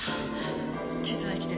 地図は生きてる。